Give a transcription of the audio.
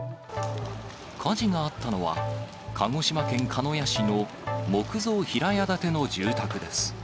火事があったのは、鹿児島県鹿屋市の木造平屋建ての住宅です。